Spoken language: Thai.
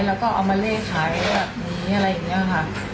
แล้วก็เอามาเล่ขายแบบนี้อะไรอย่างนี้ค่ะ